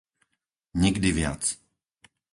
Nikdy viac!